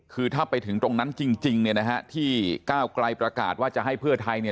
คือถ้าไปถึงตรงนั้นจริงที่ก้าวไกลประกาศว่าจะให้เพื่อไทย